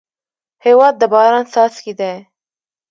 هېواد د باران څاڅکی دی.